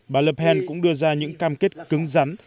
bà le pent cũng đưa ra những cam kết cứng rắn